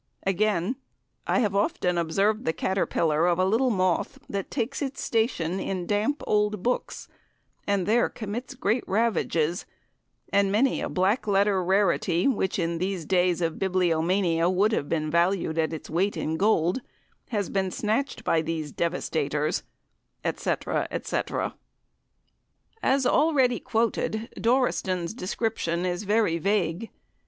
Again, "I have often observed the caterpillar of a little moth that takes its station in damp old books, and there commits great ravages, and many a black letter rarity, which in these days of bibliomania would have been valued at its weight in gold, has been snatched by these devastators," etc., etc. As already quoted, Doraston's description is very vague.